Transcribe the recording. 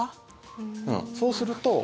そうすると。